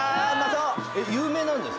有名なんですか？